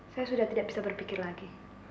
saya sudah tidak bisa berpikir lagi